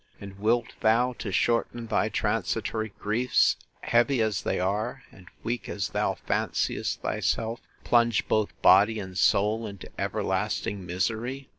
—And wilt thou, to shorten thy transitory griefs, heavy as they are, and weak as thou fanciest thyself, plunge both body and soul into everlasting misery!